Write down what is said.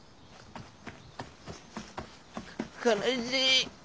悲しい。